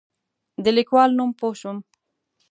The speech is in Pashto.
د لیکوال نوم پوه شوم.